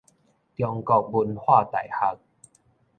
中國文化大學